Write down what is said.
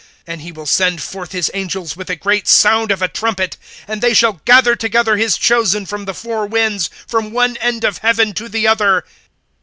(31)And he will send forth his angels with a great sound of a trumpet, and they shall gather together his chosen from the four winds, from one end of heaven to the other.